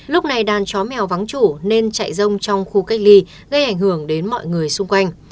lúc này đàn chó mèo vắng chủ nên chạy rông trong khu cách ly gây ảnh hưởng đến mọi người xung quanh